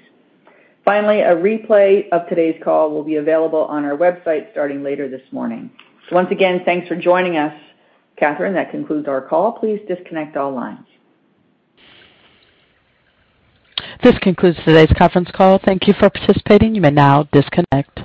Finally, a replay of today's call will be available on our website starting later this morning. Once again, thanks for joining us. Catherine, that concludes our call. Please disconnect all lines. This concludes today's conference call. Thank you for participating. You may now disconnect.